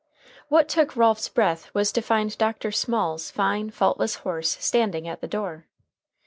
What took Ralph's breath was to find Dr. Small's fine, faultless horse standing at the door.